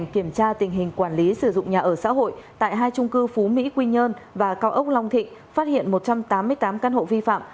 kiểm tra tình hình quản lý sử dụng nhà ở xã hội tại hai trung cư phú mỹ quy nhơn và cao ốc long thịnh phát hiện một trăm tám mươi tám căn hộ vi phạm